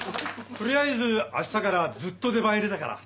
とりあえず明日からずっと出番入れたから。